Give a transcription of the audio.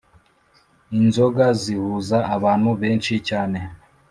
Inzoga zihuza abantu beshyi cyane